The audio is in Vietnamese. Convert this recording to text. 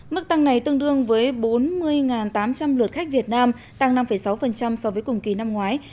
mức tăng này tương đương với bốn mươi tám trăm linh lượt khách việt nam tăng năm sáu so với cùng kỳ năm ngoái